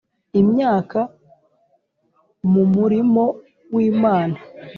imyaka mu murimo w Imana